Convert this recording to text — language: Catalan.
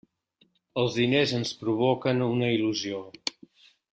Els diners ens provoquen una il·lusió.